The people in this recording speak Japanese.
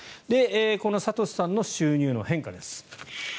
このサトシさんの収入の変化です。